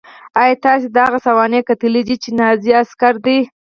ایا تاسې د هغه سوانح کتلې دي چې نازي عسکر دی